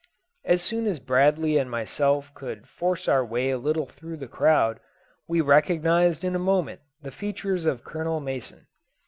As soon as Bradley and myself could force our way a little through the crowd, we recognised in a moment the features of Colonel Mason.